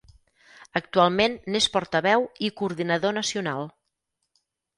Actualment n'és portaveu i coordinador nacional.